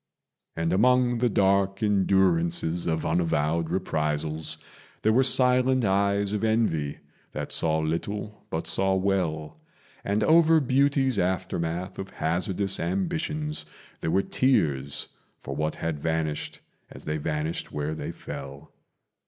And among the dark endurances of unavowed reprisals There were silent eyes of envy that saw little but saw well; And over beauty's aftermath of hazardous ambitions There were tears for what had vanished as they vanished where they fell.